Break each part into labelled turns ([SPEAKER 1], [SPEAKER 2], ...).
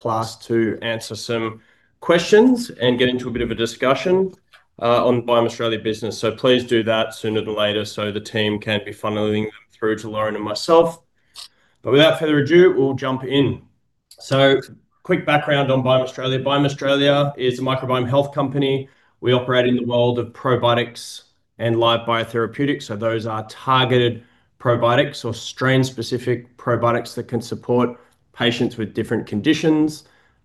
[SPEAKER 1] Plus to answer some questions and get into a bit of a discussion on Biome Australia business. Please do that sooner than later, so the team can be funneling them through to Lauren and myself. Without further ado, we'll jump in. Quick background on Biome Australia. Biome Australia is a microbiome health company. We operate in the world of probiotics and live biotherapeutics, so those are targeted probiotics or strain-specific probiotics that can support patients with different conditions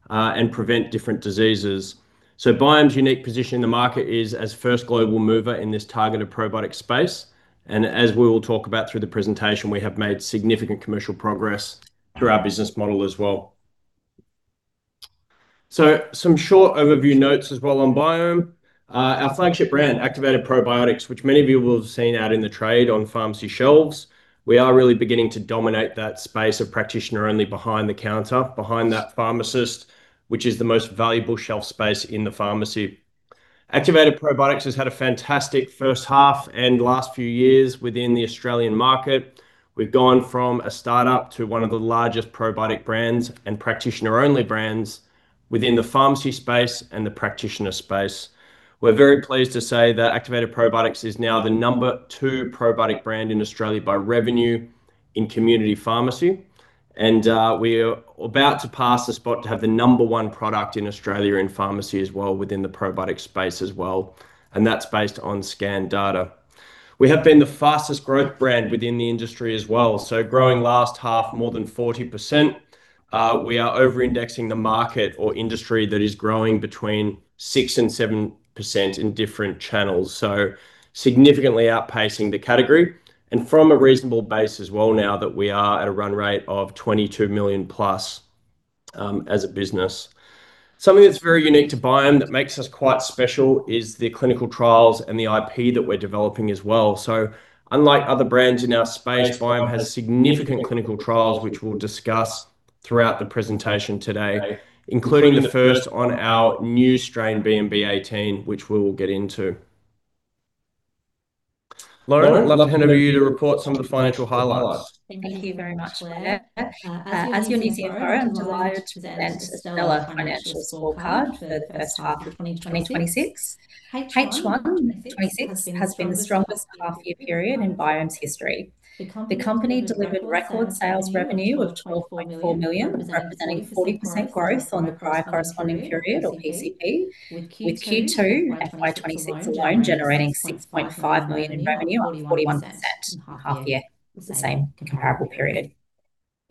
[SPEAKER 1] and prevent different diseases. Biome's unique position in the market is as first global mover in this targeted probiotic space, and as we will talk about through the presentation, we have made significant commercial progress through our business model as well. Some short overview notes as well on Biome. Our flagship brand, Activated Probiotics, which many of you will have seen out in the trade on pharmacy shelves. We are really beginning to dominate that space of practitioner-only behind the counter, behind that pharmacist, which is the most valuable shelf space in the pharmacy. Activated Probiotics has had a fantastic first half and last few years within the Australian market. We've gone from a start-up to one of the largest probiotic brands and practitioner-only brands within the pharmacy space and the practitioner space. We're very pleased to say that Activated Probiotics is now the number two probiotic brand in Australia by revenue in community pharmacy, and we are about to pass the spot to have the number one product in Australia in pharmacy as well, within the probiotic space as well, and that's based on scan data. We have been the fastest growth brand within the industry as well, growing last half more than 40%. We are over-indexing the market or industry that is growing between 6% and 7% in different channels, significantly outpacing the category, and from a reasonable base as well, now that we are at a run rate of 22 million+, as a business. Something that's very unique to Biome that makes us quite special is the clinical trials and the IP that we're developing as well. Unlike other brands in our space, Biome has significant clinical trials, which we'll discuss throughout the presentation today, including the first on our new strain, BMB18, which we will get into. Lauren, I'd love for you to report some of the financial highlights.
[SPEAKER 2] Thank you very much, Blake. As your CFO, I'm delighted to present stellar financial scorecard for the first half of 2026. H1 2026 has been the strongest half-year period in Biome's history. The company delivered record sales revenue of 12.4 million, representing 40% growth on the prior corresponding period, or PCP, with Q2 FY 2026 alone generating 6.5 million in revenue, on 41% half year. It's the same comparable period.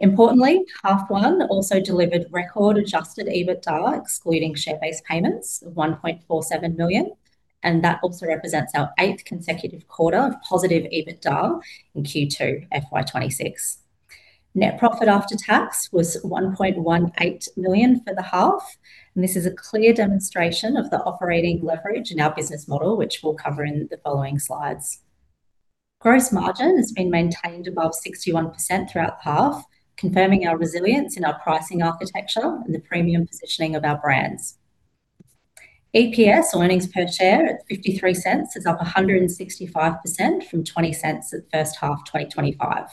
[SPEAKER 2] Importantly, half one also delivered record Adjusted EBITDA, excluding share-based payments of 1.47 million, that also represents our eighth consecutive quarter of positive EBITDA in Q2 FY 2026. Net profit after tax was 1.18 million for the half, this is a clear demonstration of the operating leverage in our business model, which we'll cover in the following slides. Gross margin has been maintained above 61% throughout the half, confirming our resilience in our pricing architecture and the premium positioning of our brands. EPS, or earnings per share, at 0.53, is up 165% from 0.20 at first half 2025.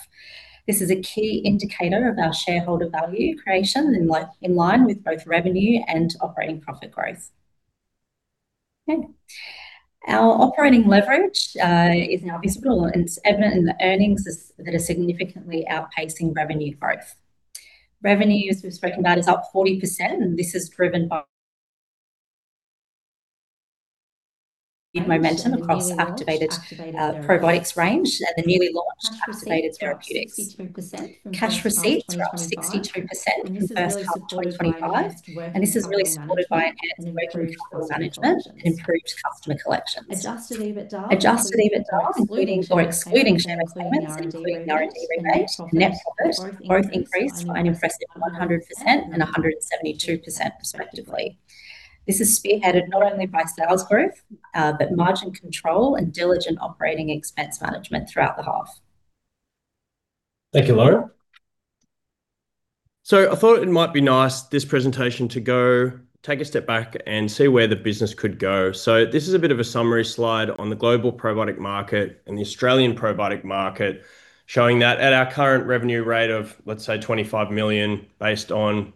[SPEAKER 2] This is a key indicator of our shareholder value creation in line with both revenue and operating profit growth. Okay. Our operating leverage is now visible, and it's evident in the earnings that are significantly outpacing revenue growth. Revenue, as we've spoken about, is up 40%, and this is driven by momentum across Activated Probiotics range and the newly launched Activated Therapeutics. Cash receipts were up 62% from first half of 2025, and this is really supported by enhanced working capital management and improved customer collections. Adjusted EBITDA, including or excluding share payments, including R&D rebates. Net profit both increased by an impressive 100% and 172% respectively. This is spearheaded not only by sales growth, but margin control and diligent operating expense management throughout the half.
[SPEAKER 1] Thank you, Lauren. I thought it might be nice, this presentation, to go take a step back and see where the business could go. This is a bit of a summary slide on the global probiotic market and the Australian probiotic market, showing that at our current revenue rate of, let's say, 25 million, based on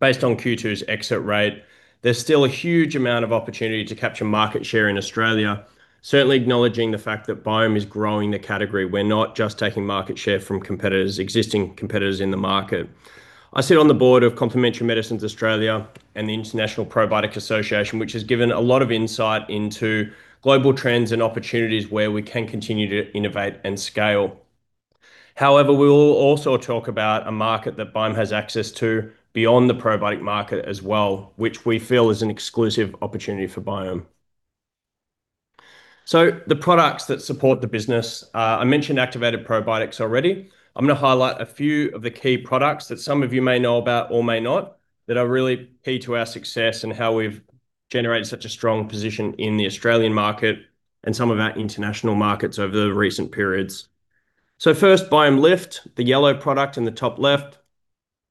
[SPEAKER 1] Q2's exit rate, there's still a huge amount of opportunity to capture market share in Australia. Certainly acknowledging the fact that Biome is growing the category. We're not just taking market share from competitors, existing competitors in the market. I sit on the board of Complementary Medicines Australia and the International Probiotic Association, which has given a lot of insight into global trends and opportunities where we can continue to innovate and scale. We will also talk about a market that Biome has access to beyond the probiotic market as well, which we feel is an exclusive opportunity for Biome. The products that support the business, I mentioned Activated Probiotics already. I'm gonna highlight a few of the key products that some of you may know about or may not, that are really key to our success and how we've generated such a strong position in the Australian market and some of our international markets over the recent periods. First, Biome Lift, the yellow product in the top left.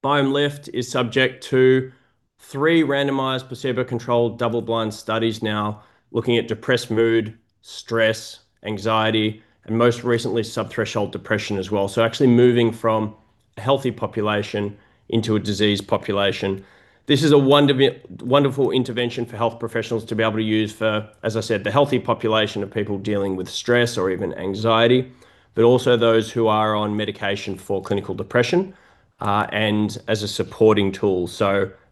[SPEAKER 1] Biome Lift is subject to three randomized, placebo-controlled, double-blind studies now looking at depressed mood, stress, anxiety, and most recently, sub-threshold depression as well. Actually moving from a healthy population into a diseased population. This is a wonderful intervention for health professionals to be able to use for, as I said, the healthy population of people dealing with stress or even anxiety, but also those who are on medication for clinical depression and as a supporting tool.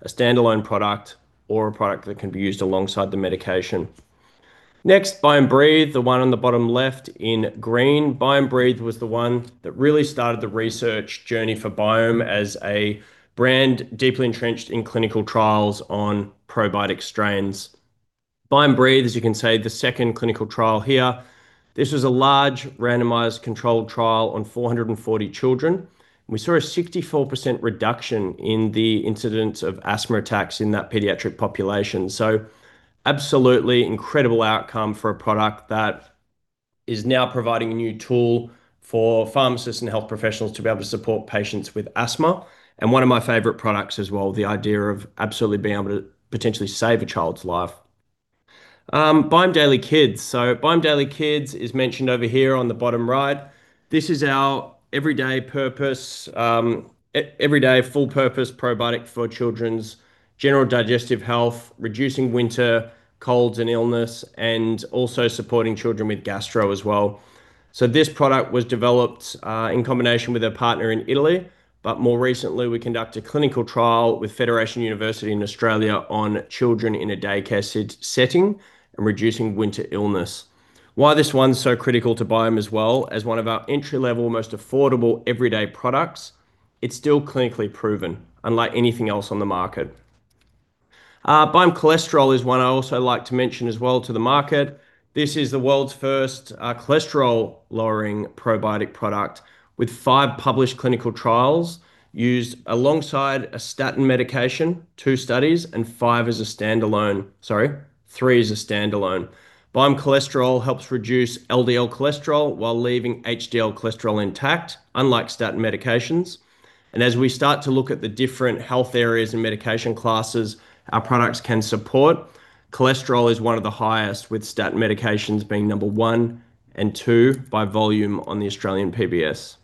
[SPEAKER 1] A standalone product or a product that can be used alongside the medication. Next, Biome Breathe, the one on the bottom left in green. Biome Breathe was the one that really started the research journey for Biome as a brand deeply entrenched in clinical trials on probiotic strains. Biome Breathe, as you can see, the second clinical trial here, this was a large randomized controlled trial on 440 children. We saw a 64% reduction in the incidence of asthma attacks in that pediatric population. Absolutely incredible outcome for a product that is now providing a new tool for pharmacists and health professionals to be able to support patients with asthma, and one of my favorite products as well, the idea of absolutely being able to potentially save a child's life. Biome Daily Kids. Biome Daily Kids is mentioned over here on the bottom right. This is our everyday purpose, everyday full-purpose probiotic for children's general digestive health, reducing winter colds and illness, and also supporting children with gastro as well. This product was developed in combination with a partner in Italy, but more recently, we conducted a clinical trial with Federation University in Australia on children in a daycare setting and reducing winter illness. Why this one's so critical to Biome as well, as one of our entry-level, most affordable everyday products, it's still clinically proven, unlike anything else on the market. Biome Cholesterol is one I also like to mention as well to the market. This is the world's first, cholesterol-lowering probiotic product with five published clinical trials used alongside a statin medication, two studies, and three as a standalone. Biome Cholesterol helps reduce LDL cholesterol while leaving HDL cholesterol intact, unlike statin medications. As we start to look at the different health areas and medication classes our products can support, cholesterol is one of the highest, with statin medications being number one and two by volume on the Australian PBS.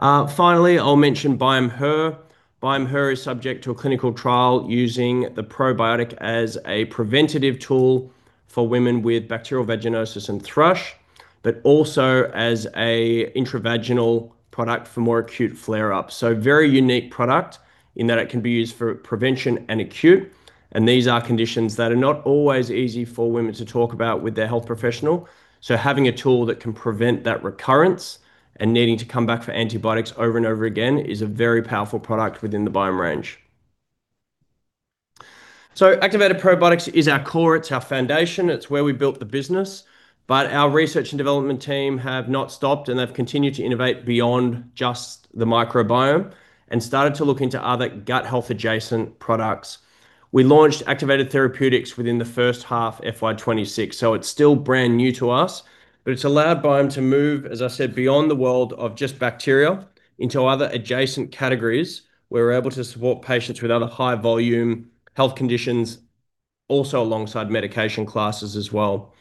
[SPEAKER 1] Finally, I'll mention Biome Her. Biome Her is subject to a clinical trial using the probiotic as a preventative tool for women with bacterial vaginosis and thrush, but also as a intravaginal product for more acute flare-ups. Very unique product in that it can be used for prevention and acute, and these are conditions that are not always easy for women to talk about with their health professional. Having a tool that can prevent that recurrence and needing to come back for antibiotics over and over again is a very powerful product within the Biome range. Activated Probiotics is our core, it's our foundation, it's where we built the business. Our research and development team have not stopped, and they've continued to innovate beyond just the microbiome and started to look into other gut health-adjacent products. We launched Activated Therapeutics within the first half, FY 2026, it's still brand new to us, but it's allowed Biome to move, as I said, beyond the world of just bacteria into other adjacent categories. We're able to support patients with other high-volume health conditions, also alongside medication classes as well.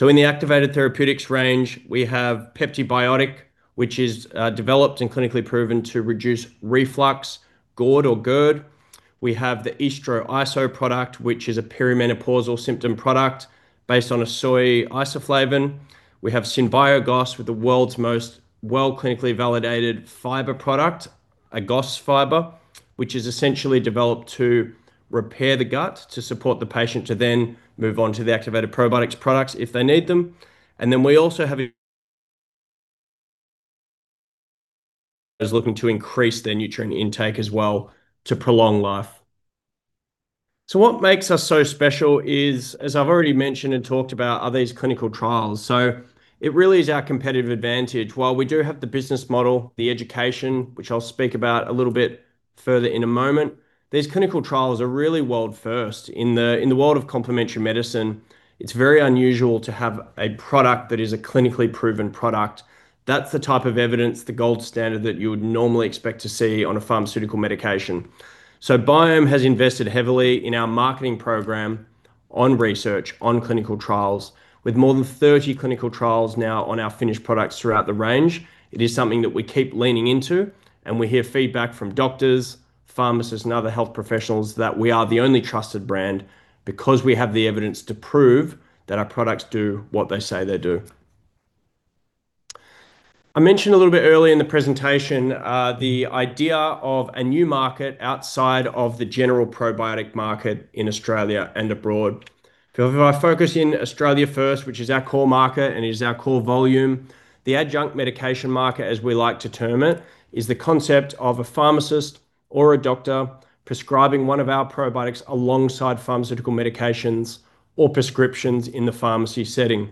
[SPEAKER 1] In the Activated Therapeutics range, we have Pepti-BIOTIC, which is developed and clinically proven to reduce reflux, GORD or GERD. We have the Oestro-ISO product, which is a perimenopausal symptom product based on a soy isoflavone. We have Synbio-GOS, with the world's most well clinically validated fiber product, a GOS fiber, which is essentially developed to repair the gut, to support the patient to then move on to the Activated Probiotics products if they need them. We also have is looking to increase their nutrient intake as well to prolong life. What makes us so special is, as I've already mentioned and talked about, are these clinical trials. It really is our competitive advantage. While we do have the business model, the education, which I'll speak about a little bit further in a moment, these clinical trials are really world-first. In the world of complementary medicine, it's very unusual to have a product that is a clinically proven product. That's the type of evidence, the gold standard that you would normally expect to see on a pharmaceutical medication. Biome has invested heavily in our marketing program, on research, on clinical trials, with more than 30 clinical trials now on our finished products throughout the range. It is something that we keep leaning into, and we hear feedback from doctors, pharmacists, and other health professionals that we are the only trusted brand because we have the evidence to prove that our products do what they say they do. I mentioned a little bit earlier in the presentation, the idea of a new market outside of the general probiotic market in Australia and abroad. I focus in Australia first, which is our core market and is our core volume, the adjunct medication market, as we like to term it, is the concept of a pharmacist or a doctor prescribing one of our probiotics alongside pharmaceutical medications or prescriptions in the pharmacy setting.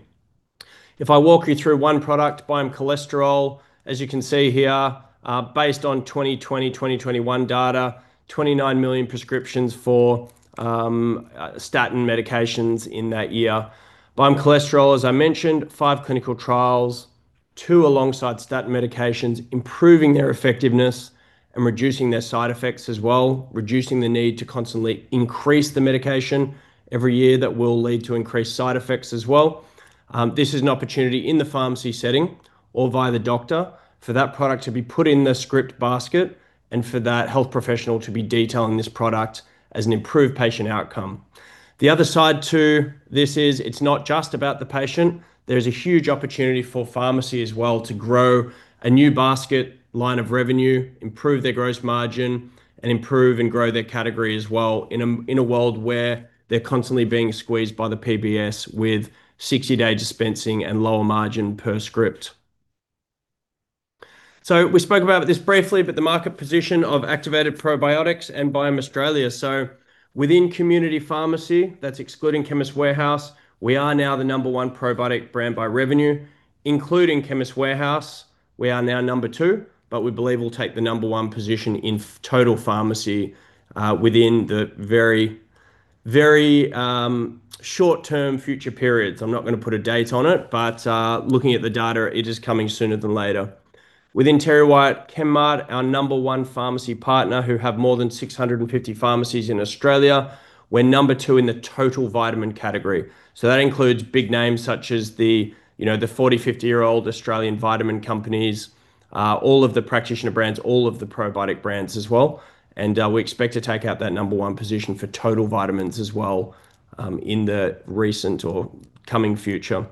[SPEAKER 1] I walk you through one product, Biome Cholesterol, as you can see here, based on 2020, 2021 data, 29 million prescriptions for statin medications in that year. Biome Cholesterol, as I mentioned, five clinical trials. Two alongside statin medications, improving their effectiveness and reducing their side effects as well, reducing the need to constantly increase the medication every year. That will lead to increased side effects as well. This is an opportunity in the pharmacy setting or via the doctor for that product to be put in the script basket, and for that health professional to be detailing this product as an improved patient outcome. The other side to this is, it's not just about the patient. There's a huge opportunity for pharmacy as well to grow a new basket line of revenue, improve their gross margin, and improve and grow their category as well in a world where they're constantly being squeezed by the PBS with 60-day dispensing and lower margin per script. We spoke about this briefly, but the market position of Activated Probiotics and Biome Australia. Within community pharmacy, that's excluding Chemist Warehouse, we are now the number one probiotic brand by revenue. Including Chemist Warehouse, we are now number two, but we believe we'll take the number one position in total pharmacy within the very, very short-term future periods. I'm not going to put a date on it, but looking at the data, it is coming sooner than later. Within TerryWhite Chemmart, our number one pharmacy partner, who have more than 650 pharmacies in Australia, we're number two in the total vitamin category. That includes big names such as the, you know, the 40, 50-year-old Australian vitamin companies, all of the practitioner brands, all of the probiotic brands as well, and we expect to take out that number one position for total vitamins as well, in the recent or coming future.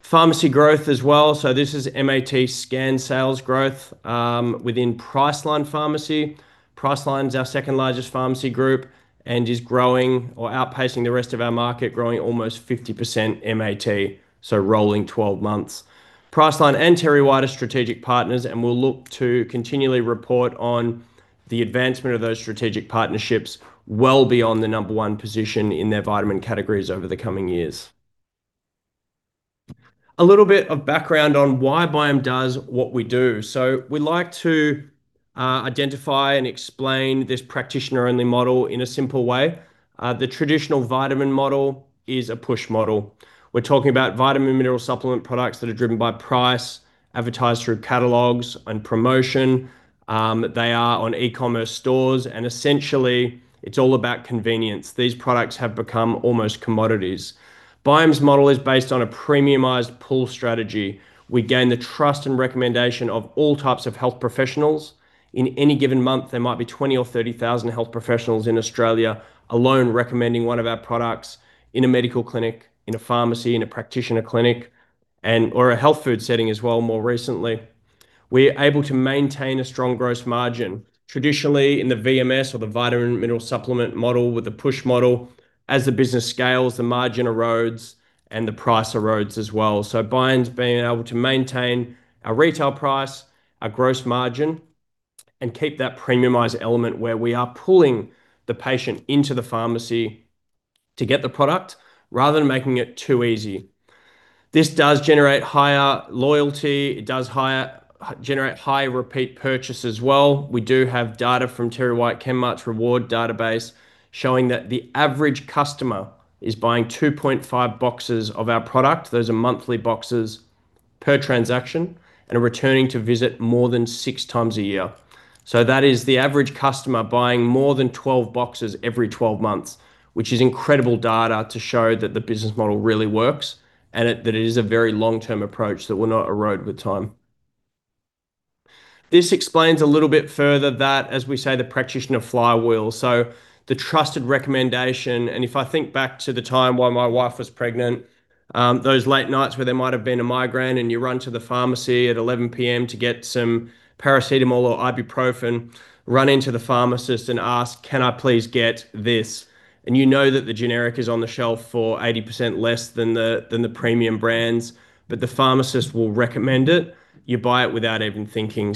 [SPEAKER 1] Pharmacy growth as well. This is MAT scan sales growth within Priceline Pharmacy. Priceline is our second-largest pharmacy group and is growing or outpacing the rest of our market, growing almost 50% MAT, so rolling 12 months. Priceline and Terry White are strategic partners, and we'll look to continually report on the advancement of those strategic partnerships well beyond the number one position in their vitamin categories over the coming years. A little bit of background on why Biome does what we do. We like to identify and explain this practitioner-only model in a simple way. The traditional vitamin model is a push model. We're talking about vitamin mineral supplement products that are driven by price, advertised through catalogs and promotion. They are on e-commerce stores, and essentially, it's all about convenience. These products have become almost commodities. Biome's model is based on a premiumized pull strategy. We gain the trust and recommendation of all types of health professionals. In any given month, there might be 20,000 or 30,000 health professionals in Australia alone recommending one of our products in a medical clinic, in a pharmacy, in a practitioner clinic, and/or a health food setting as well, more recently. We're able to maintain a strong gross margin. Traditionally, in the VMS or the vitamin mineral supplement model, with the push model, as the business scales, the margin erodes and the price erodes as well. Biome's been able to maintain our retail price, our gross margin, and keep that premiumized element where we are pulling the patient into the pharmacy to get the product, rather than making it too easy. This does generate higher loyalty. It does generate higher repeat purchase as well. We do have data from TerryWhite Chemmart's reward database showing that the average customer is buying 2.5 boxes of our product. Those are monthly boxes per transaction, and are returning to visit more than six times a year. That is the average customer buying more than 12 boxes every 12 months, which is incredible data to show that the business model really works, and that it is a very long-term approach that will not erode with time. This explains a little bit further that, as we say, the practitioner flywheel, so the trusted recommendation. If I think back to the time when my wife was pregnant, those late nights where there might have been a migraine, and you run to the pharmacy at 11:00 P.M. to get some paracetamol or ibuprofen, run into the pharmacist and ask: "Can I please get this?" You know that the generic is on the shelf for 80% less than the premium brands, but the pharmacist will recommend it. You buy it without even thinking.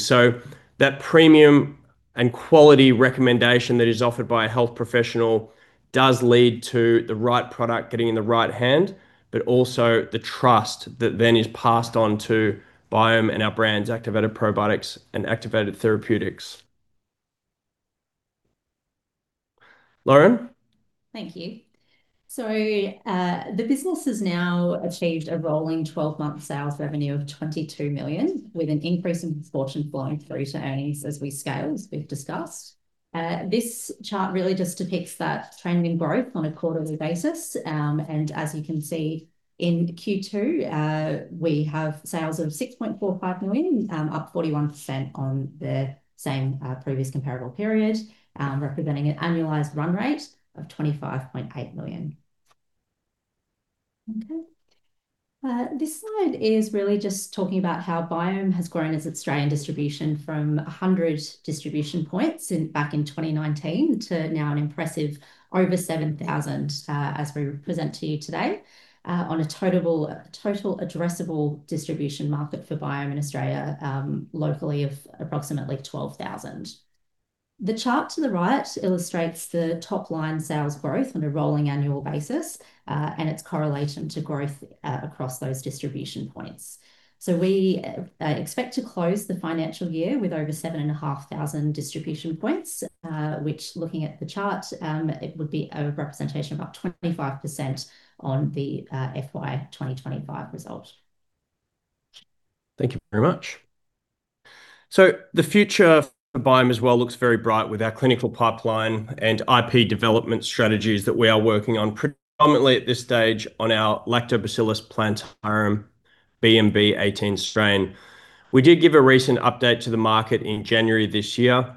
[SPEAKER 1] That premium and quality recommendation that is offered by a health professional does lead to the right product getting in the right hand, but also the trust that then is passed on to Biome and our brands, Activated Probiotics and Activated Therapeutics. Lauren?
[SPEAKER 2] Thank you. The business has now achieved a rolling 12-month sales revenue of 22 million, with an increase in proportion flowing through to earnings as we scale, as we've discussed. This chart really just depicts that trending growth on a quarterly basis. As you can see in Q2, we have sales of 6.45 million, up 41% on the same previous comparable period, representing an annualized run rate of 25.8 million. Okay. This slide is really just talking about how Biome has grown its Australian distribution from 100 distribution points back in 2019, to now an impressive over 7,000, as we present to you today, on a total addressable distribution market for Biome in Australia, locally of approximately 12,000. The chart to the right illustrates the top-line sales growth on a rolling annual basis, and its correlation to growth across those distribution points. We expect to close the financial year with over 7,500 distribution points, which, looking at the chart, it would be a representation of about 25% on the FY 2025 result.
[SPEAKER 1] Thank you very much. The future of Biome as well looks very bright with our clinical pipeline and IP development strategies that we are working on predominantly at this stage on our Lactobacillus plantarum BMB18 strain. We did give a recent update to the market in January this year.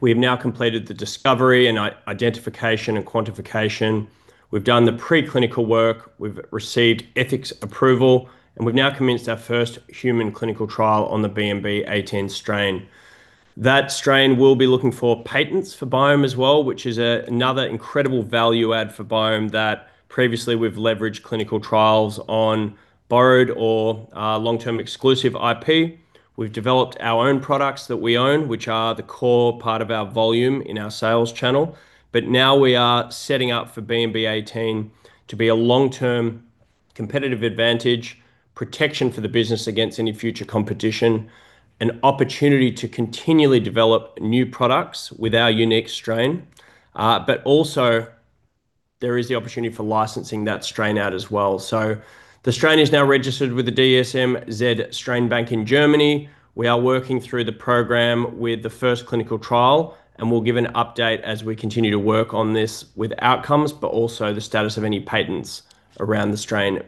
[SPEAKER 1] We have now completed the discovery, identification, and quantification. We've done the preclinical work, we've received ethics approval, and we've now commenced our first human clinical trial on the BMB18 strain. That strain, we'll be looking for patents for Biome as well, which is another incredible value add for Biome that previously we've leveraged clinical trials on borrowed or long-term exclusive IP. We've developed our own products that we own, which are the core part of our volume in our sales channel. Now we are setting up for BMB18 to be a long-term competitive advantage, protection for the business against any future competition, an opportunity to continually develop new products with our unique strain, but also there is the opportunity for licensing that strain out as well. The strain is now registered with the DSMZ Strain Bank in Germany. We are working through the program with the first clinical trial, and we'll give an update as we continue to work on this with outcomes, but also the status of any patents around the strain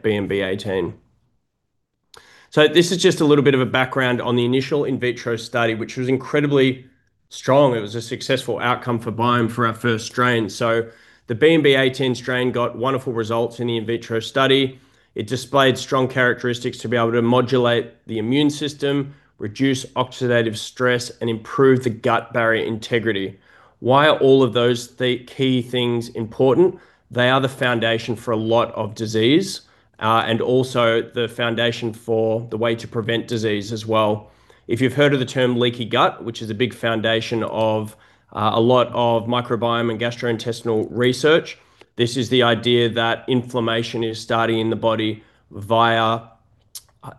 [SPEAKER 1] BMB18. This is just a little bit of a background on the initial in vitro study, which was incredibly strong. It was a successful outcome for Biome for our first strain. The BMB18 strain got results in the in vitro study. It displayed strong characteristics to be able to modulate the immune system, reduce oxidative stress, and improve the gut barrier integrity. Why are all of those the key things important? They are the foundation for a lot of disease and also the foundation for the way to prevent disease as well. If you've heard of the term leaky gut, which is a big foundation of a lot of microbiome and gastrointestinal research, this is the idea that inflammation is starting in the body via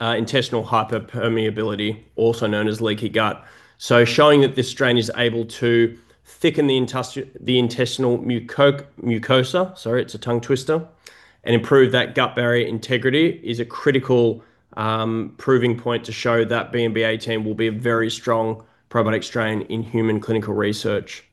[SPEAKER 1] intestinal hyperpermeability, also known as leaky gut. Showing that this strain is able to thicken the intestinal mucosa, sorry, it's a tongue twister, and improve that gut barrier integrity, is a critical proving point to show that BMB18 will be a very strong probiotic strain in human clinical research.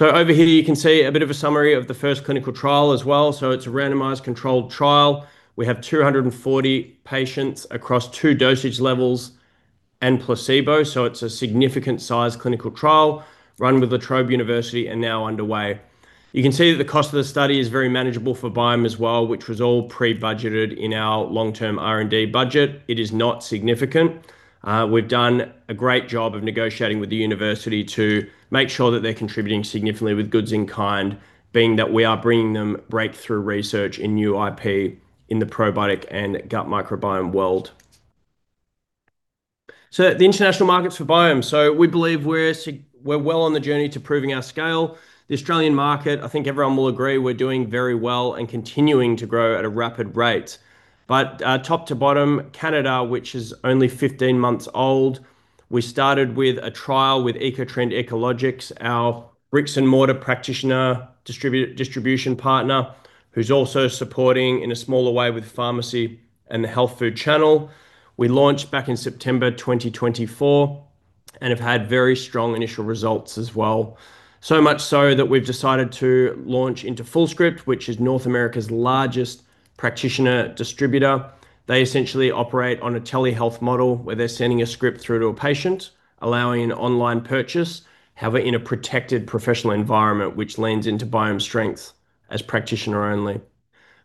[SPEAKER 1] Over here you can see a bit of a summary of the first clinical trial as well. It's a randomised controlled trial. We have 240 patients across two dosage levels and placebo, so it's a significant size clinical trial run with La Trobe University and now underway. You can see that the cost of the study is very manageable for Biome as well, which was all pre-budgeted in our long-term R&D budget. It is not significant. We've done a great job of negotiating with the university to make sure that they're contributing significantly with goods in kind, being that we are bringing them breakthrough research in new IP in the probiotic and gut microbiome world. The international markets for Biome. We believe we're well on the journey to proving our scale. The Australian market, I think everyone will agree, we're doing very well and continuing to grow at a rapid rate. Top to bottom, Canada, which is only 15 months old, we started with a trial with Ecotrend Ecologics, our bricks and mortar practitioner distribution partner, who's also supporting in a smaller way with pharmacy and the health food channel. We launched back in September 2024, have had very strong initial results as well. Much so that we've decided to launch into Fullscript, which is North America's largest practitioner distributor. They essentially operate on a telehealth model, where they're sending a script through to a patient, allowing an online purchase, however, in a protected professional environment, which leans into Biome's strength as practitioner only.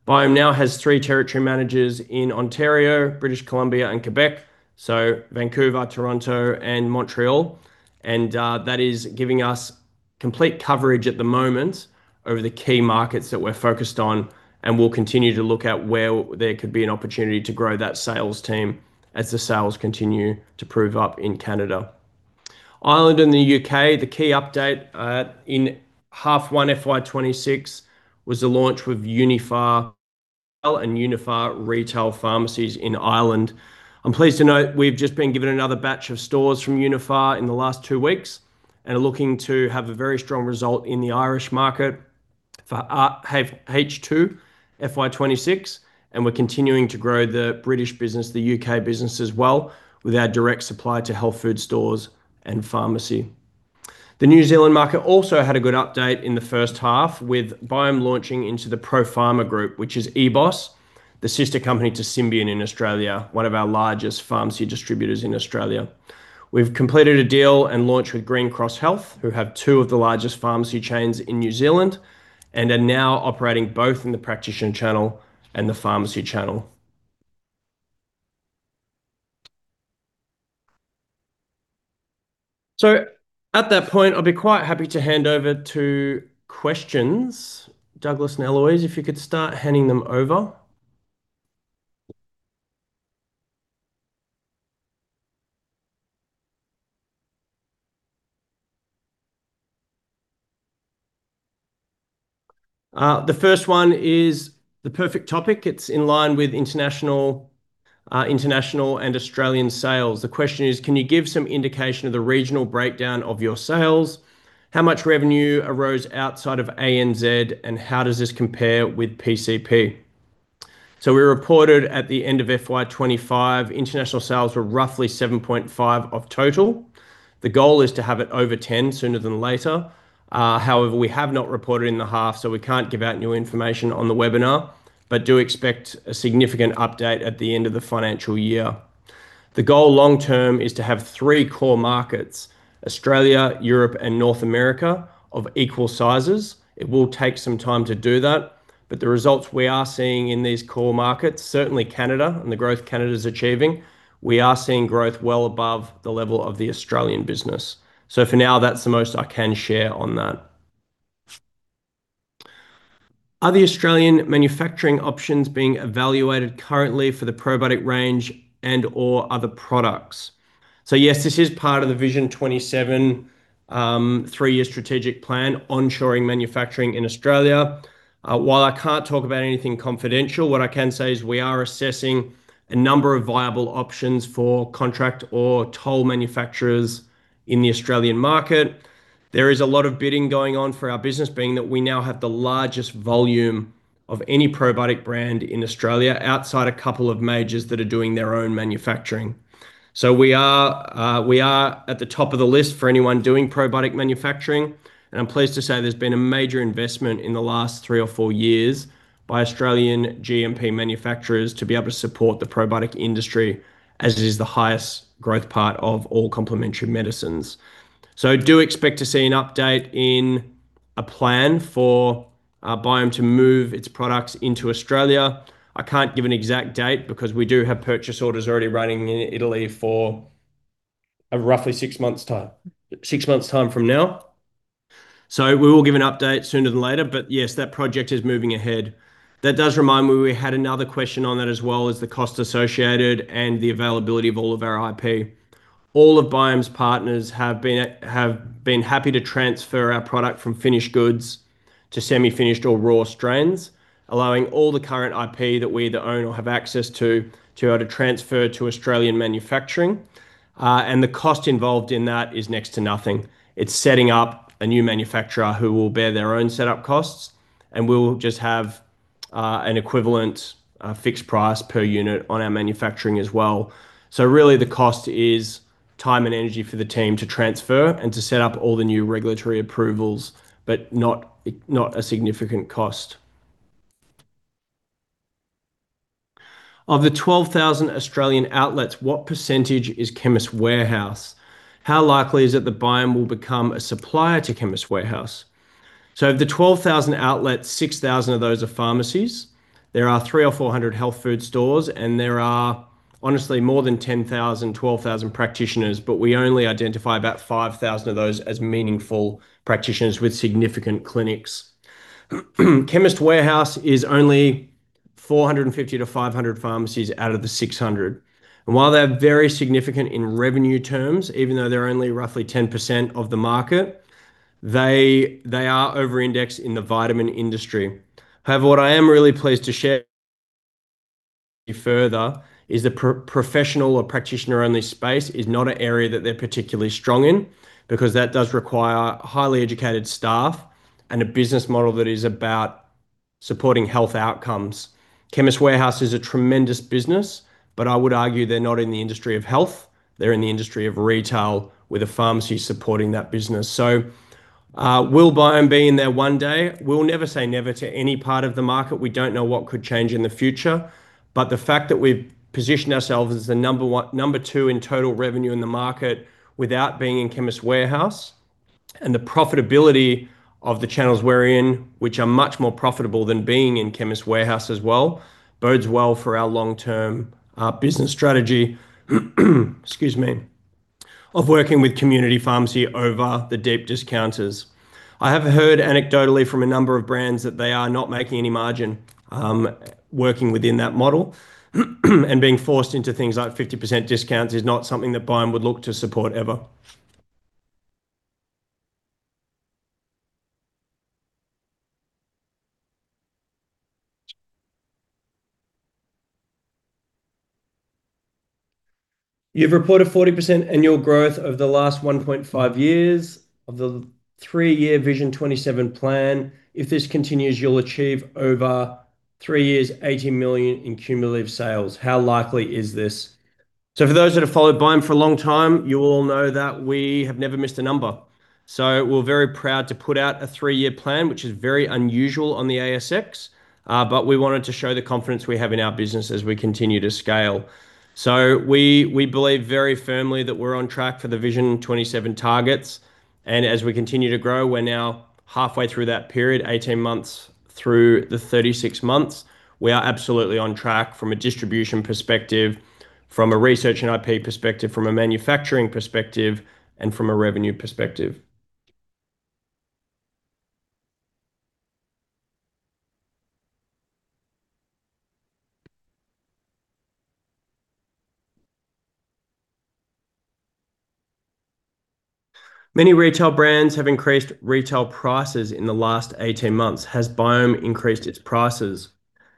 [SPEAKER 1] Biome now has three territory managers in Ontario, British Columbia, and Quebec, so Vancouver, Toronto, and Montreal, and that is giving us complete coverage at the moment over the key markets that we're focused on. We'll continue to look at where there could be an opportunity to grow that sales team as the sales continue to prove up in Canada. Ireland and the U.K., the key update in half one, FY 2026, was the launch with Uniphar and Uniphar retail pharmacies in Ireland. I'm pleased to note we've just been given another batch of stores from Uniphar in the last two weeks, and are looking to have a very strong result in the Irish market for half H2 FY 2026, and we're continuing to grow the British business, the U.K. business as well, with our direct supply to health food stores and pharmacy. The New Zealand market also had a good update in the first half, with Biome launching into the ProPharma Group, which is EBOS, the sister company to Symbion in Australia, one of our largest pharmacy distributors in Australia. We've completed a deal and launch with Green Cross Health, who have two of the largest pharmacy chains in New Zealand, and are now operating both in the practitioner channel and the pharmacy channel. At that point, I'd be quite happy to hand over to questions. Douglas and Eloise, if you could start handing them over. The first one is the perfect topic. It's in line with international and Australian sales. The question is: Can you give some indication of the regional breakdown of your sales? How much revenue arose outside of ANZ, and how does this compare with PCP? We reported at the end of FY 2025, international sales were roughly 7.5% of total. The goal is to have it over 10% sooner than later. However, we have not reported in the half, so we can't give out new information on the webinar, but do expect a significant update at the end of the financial year. The goal long term is to have three core markets: Australia, Europe, and North America, of equal sizes. It will take some time to do that, but the results we are seeing in these core markets, certainly Canada, and the growth Canada's achieving, we are seeing growth well above the level of the Australian business. For now, that's the most I can share on that. Are there Australian manufacturing options being evaluated currently for the probiotic range and/or other products? Yes, this is part of the Vision 27, three-year strategic plan, onshoring manufacturing in Australia. While I can't talk about anything confidential, what I can say is we are assessing a number of viable options for contract or toll manufacturers in the Australian market. There is a lot of bidding going on for our business, being that we now have the largest volume of any probiotic brand in Australia, outside a couple of majors that are doing their own manufacturing. We are at the top of the list for anyone doing probiotic manufacturing, and I'm pleased to say there's been a major investment in the last three or four years by Australian GMP manufacturers to be able to support the probiotic industry as it is the highest growth part of all complementary medicines. Do expect to see an update in a plan for Biome to move its products into Australia. I can't give an exact date, because we do have purchase orders already running in Italy for of roughly six months time from now. We will give an update sooner than later, but yes, that project is moving ahead. That does remind me, we had another question on that as well, is the cost associated and the availability of all of our IP. All of Biome's partners have been happy to transfer our product from finished goods to semi-finished or raw strains, allowing all the current IP that we either own or have access to either transfer to Australian manufacturing, and the cost involved in that is next to nothing. It's setting up a new manufacturer who will bear their own setup costs, we'll just have an equivalent fixed price per unit on our manufacturing as well. Really, the cost is time and energy for the team to transfer and to set up all the new regulatory approvals, but not a significant cost. Of the 12,000 Australian outlets, what percentage is Chemist Warehouse? How likely is it that Biome will become a supplier to Chemist Warehouse? Of the 12,000 outlets, 6,000 of those are pharmacies. There are 300 or 400 health food stores, there are honestly more than 10,000, 12,000 practitioners, we only identify about 5,000 of those as meaningful practitioners with significant clinics. Chemist Warehouse is only 450 to 500 pharmacies out of the 600. While they're very significant in revenue terms, even though they're only roughly 10% of the market, they are over-indexed in the vitamin industry. However, what I am really pleased to share further is the professional or practitioner in this space is not an area that they're particularly strong in, because that does require highly educated staff and a business model that is about supporting health outcomes. Chemist Warehouse is a tremendous business, but I would argue they're not in the industry of health, they're in the industry of retail with a pharmacy supporting that business. Will Biome be in there one day? We'll never say never to any part of the market. We don't know what could change in the future, the fact that we've positioned ourselves as the number two in total revenue in the market without being in Chemist Warehouse, and the profitability of the channels we're in, which are much more profitable than being in Chemist Warehouse as well, bodes well for our long-term business strategy, excuse me, of working with community pharmacy over the deep discounters. I have heard anecdotally from a number of brands that they are not making any margin working within that model, and being forced into things like 50% discounts is not something that Biome would look to support ever. You've reported 40% annual growth over the last 1.5 years of the three-year Vision 27 plan. If this continues, you'll achieve over three years, 80 million in cumulative sales. How likely is this? For those that have followed Biome for a long time, you all know that we have never missed a number. We're very proud to put out a three-year plan, which is very unusual on the ASX, but we wanted to show the confidence we have in our business as we continue to scale. We believe very firmly that we're on track for the Vision 27 targets, and as we continue to grow, we're now halfway through that period, 18 months through the 36 months. We are absolutely on track from a distribution perspective, from a research and IP perspective, from a manufacturing perspective, and from a revenue perspective. Many retail brands have increased retail prices in the last 18 months. Has Biome increased its prices?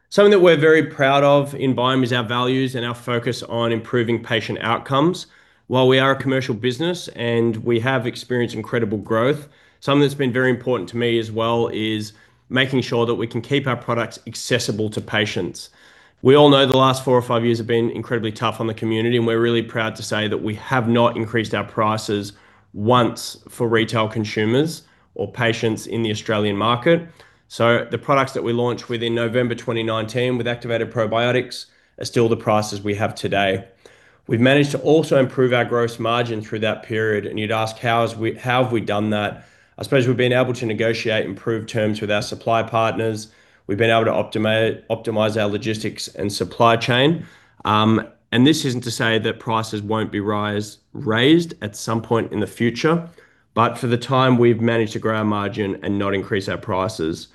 [SPEAKER 1] Something that we're very proud of in Biome is our values and our focus on improving patient outcomes. While we are a commercial business and we have experienced incredible growth, something that's been very important to me as well is making sure that we can keep our products accessible to patients. We all know the last four or five years have been incredibly tough on the community, and we're really proud to say that we have not increased our prices once for retail consumers or patients in the Australian market. The products that we launched with in November 2019 with Activated Probiotics are still the prices we have today. We've managed to also improve our gross margin through that period, and you'd ask, how have we done that? I suppose we've been able to negotiate improved terms with our supply partners. We've been able to optimize our logistics and supply chain. This isn't to say that prices won't be raised at some point in the future, but for the time, we've managed to grow our margin and not increase our prices.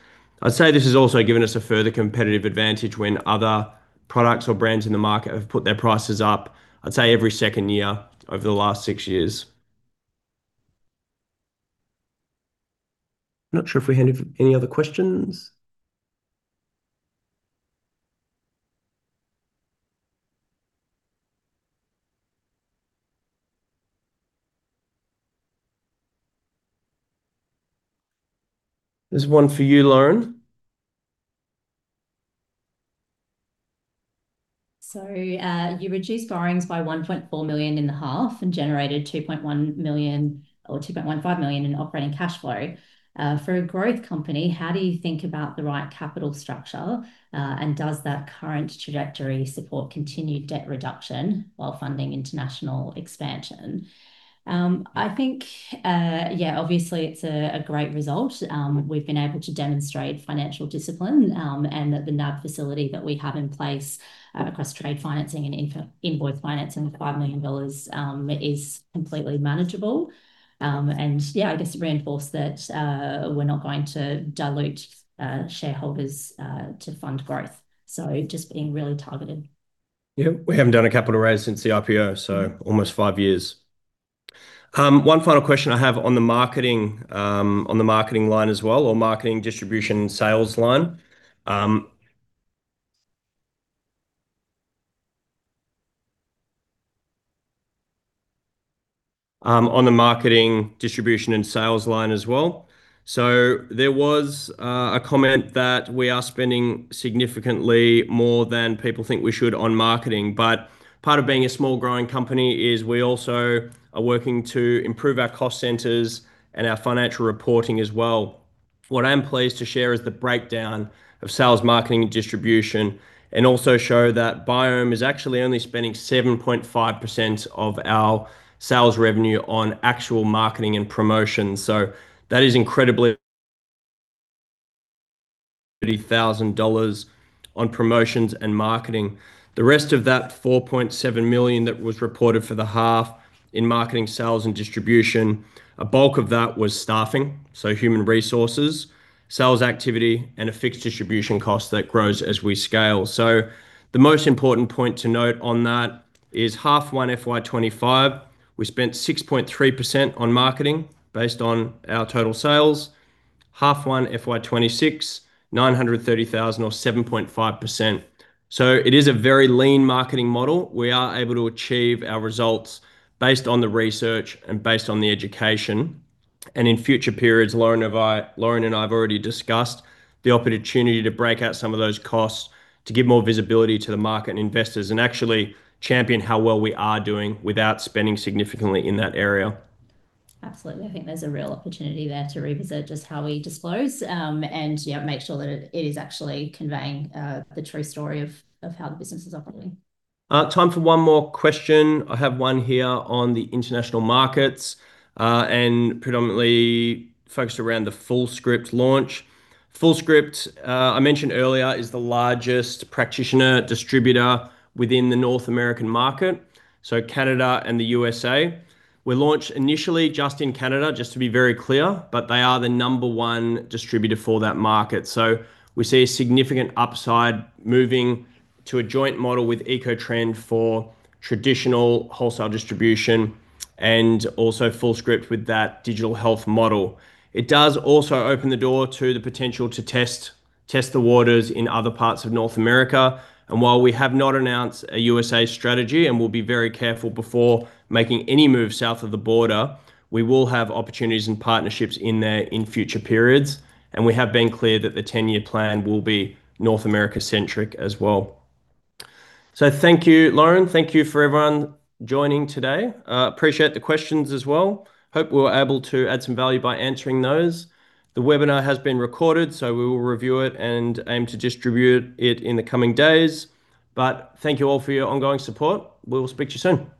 [SPEAKER 1] I'd say this has also given us a further competitive advantage when other products or brands in the market have put their prices up, I'd say every second year over the last six years. Not sure if we have any other questions. There's one for you, Lauren.
[SPEAKER 2] You reduced borrowings by 1.4 million in the half and generated 2.1 million or 2.15 million in operating cash flow. For a growth company, how do you think about the right capital structure? Does that current trajectory support continued debt reduction while funding international expansion? It's a great result. We've been able to demonstrate financial discipline, and that the NAB facility that we have in place across trade financing and invoice financing, 5 million dollars, is completely manageable. To reinforce that, we're not going to dilute shareholders to fund growth. Just being really targeted.
[SPEAKER 1] We haven't done a capital raise since the IPO, so almost five years. One final question I have on the marketing, on the marketing line as well, or marketing, distribution, and sales line. On the marketing, distribution, and sales line as well. There was a comment that we are spending significantly more than people think we should on marketing, but part of being a small, growing company is we also are working to improve our cost centers and our financial reporting as well. What I'm pleased to share is the breakdown of sales, marketing, and distribution, and also show that Biome is actually only spending 7.5% of our sales revenue on actual marketing and promotion. That is incredibly AUD 1,000 on promotions and marketing. The rest of that 4.7 million that was reported for the half in marketing, sales, and distribution, a bulk of that was staffing, so human resources, sales activity, and a fixed distribution cost that grows as we scale. The most important point to note on that is half one FY 2025, we spent 6.3% on marketing based on our total sales. Half one FY 2026, 930,000, or 7.5%. It is a very lean marketing model. We are able to achieve our results based on the research and based on the education, and in future periods, Lauren and I have already discussed the opportunity to break out some of those costs to give more visibility to the market and investors, and actually champion how well we are doing without spending significantly in that area.
[SPEAKER 2] Absolutely. I think there's a real opportunity there to revisit just how we disclose, and, yeah, make sure that it is actually conveying, the true story of how the business is operating.
[SPEAKER 1] Time for one more question. I have one here on the international markets, predominantly focused around the Fullscript launch. Fullscript, I mentioned earlier, is the largest practitioner distributor within the North American market, so Canada and the U.S.A. We launched initially just in Canada, just to be very clear, but they are the number one distributor for that market. We see a significant upside moving to a joint model with Eco-Trend for traditional wholesale distribution and also Fullscript with that digital health model. It does also open the door to the potential to test the waters in other parts of North America. While we have not announced a U.S.A strategy, and we'll be very careful before making any moves south of the border, we will have opportunities and partnerships in there in future periods, and we have been clear that the 10-year plan will be North America-centric as well. Thank you, Lauren. Thank you for everyone joining today. Appreciate the questions as well. Hope we were able to add some value by answering those. The webinar has been recorded, so we will review it and aim to distribute it in the coming days. Thank you all for your ongoing support. We will speak to you soon.